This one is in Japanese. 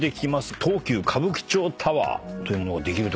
東急歌舞伎町タワーというものができると。